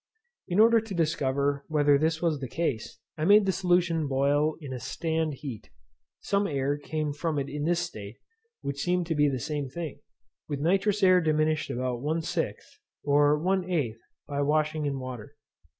In order to discover whether this was the case, I made the solution boil in a sand heat. Some air came from it in this state, which seemed to be the same thing, with nitrous air diminished about one sixth, or one eighth, by washing in water.